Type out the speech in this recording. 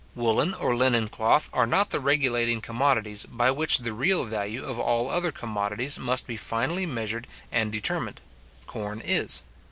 Woollen or linen cloth are not the regulating commodities by which the real value of all other commodities must be finally measured and determined; corn is.